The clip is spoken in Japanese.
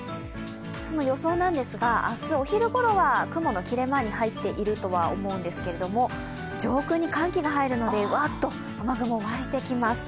その予想なんですが、明日お昼ごろは雲の切れ間に入っているとは思うんですが、上空に寒気が入るので、わっと雨雲が湧いてきます。